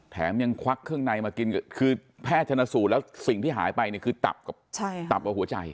แถมยังควักเครื่องในมากินคือแพทย์ชนสูตรแล้วสิ่งที่หายไปเนี่ยคือตับกับหัวใจ